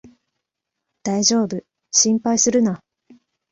だいじょうぶ、心配するな